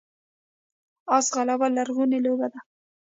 اس ځغلول لرغونې لوبه ده